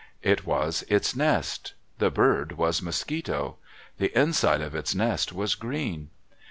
It was its nest. The bird was Mosquito. The inside of its nest was green.